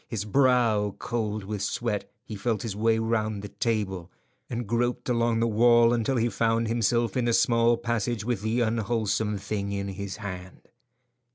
His brow cold with sweat, he felt his way round the table, and groped along the wall until he found himself in the small passage with the unwholesome thing in his hand.